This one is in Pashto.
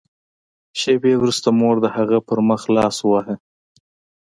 شېبې وروسته مور د هغه په مخ لاس وواهه